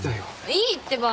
いいってば。